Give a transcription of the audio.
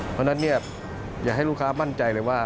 เพราะฉะนั้นอย่าให้ลูกค้ามั่นใจเลยว่า